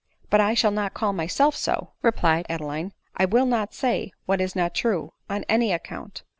" But I shaB not call myself so," replied Adeline. I will not /say what is not true, on any account."